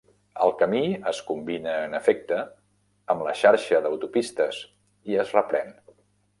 El camí es combina en efecte amb la xarxa d'autopistes i es reprèn.